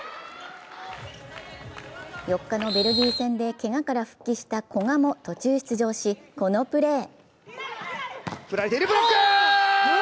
４日のベルギー戦でけがから復帰した古賀も途中出場しこのプレー。